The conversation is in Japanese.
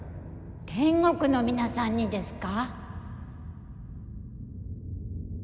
天国の皆さんにですか？